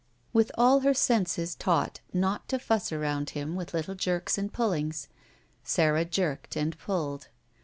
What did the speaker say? With all her senses taut not to fuss around him with little jerks and pullings, Sara jerked and pulled.